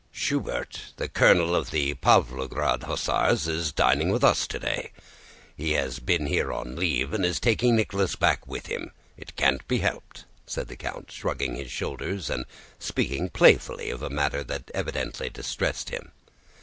"Schubert, the colonel of the Pávlograd Hussars, is dining with us today. He has been here on leave and is taking Nicholas back with him. It can't be helped!" said the count, shrugging his shoulders and speaking playfully of a matter that evidently distressed him.